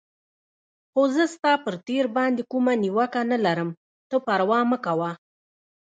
خو زه ستا پر تېر باندې کومه نیوکه نه لرم، ته پروا مه کوه.